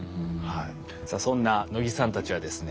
さあそんな能木さんたちはですね